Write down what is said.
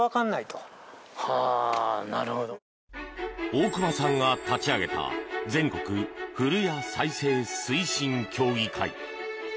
大熊さんが立ち上げた全国古家再生推進協議会。